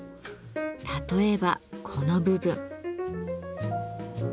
例えばこの部分。